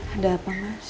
ada apa mas